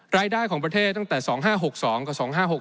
รายได้ของประเทศตั้งแต่๒๕๖๒กับ๒๕๖๖